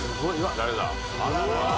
誰だ？